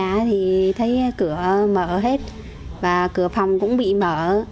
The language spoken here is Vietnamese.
cửa má thì thấy cửa mở hết và cửa phòng cũng bị mở